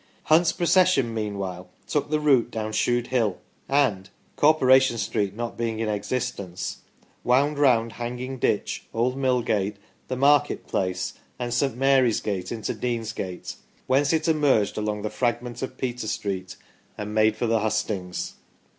Hunt's procession, meanwhile, took the route down Shude Hill, and Corporation Street not being in existence wound round Hanging Ditch, Old Millgate, the Market Place, and St. Mary's Gate into Deansgate, whence it emerged along the fragment of Peter Street and made for the hustings.